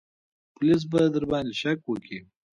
پوليس به درباندې شک وکي.